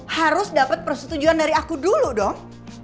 harus dapat persetujuan dari aku dulu dong